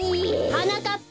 はなかっぱ。